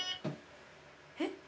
えっ？